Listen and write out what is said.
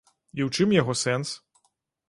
І ў чым яго сэнс?